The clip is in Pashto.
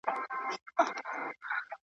په مدار مدار یې غاړه تاووله ,